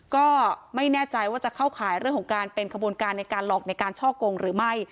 ก็ไม่แน่ใจว่าจะเข้าข่ายเรื่องของการเป็นขบวนการในการหลอกในการช่อกงหรือไม่